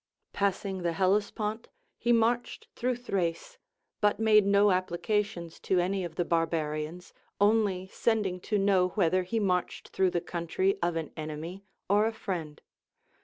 Passing the Hellespont, he marched through Thrace, but made no applications to any of the barbarians, only send ing to know whether he marched through the country of an enemy or a friend.